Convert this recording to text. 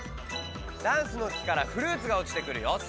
ダンスの木からフルーツがおちてくるよ。